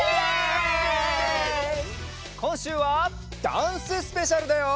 こんしゅうはダンススペシャルだよ！